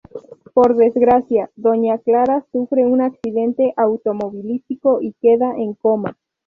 Por desgracia, doña Clara sufre un accidente automovilístico y queda en coma.